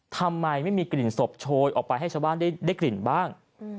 ทำไมไม่มีกลิ่นศพโชยออกไปให้ชาวบ้านได้กลิ่นบ้าง